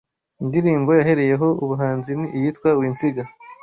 Indirimbo yahereyeho ubuhanzi ni iyitwa ‘Winsiga’